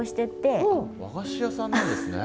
和菓子屋さんなんですね。